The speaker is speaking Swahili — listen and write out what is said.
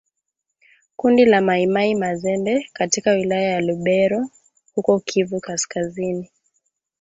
kundi la Mai Mai Mazembe katika wilaya ya Lubero huko Kivu Kaskazini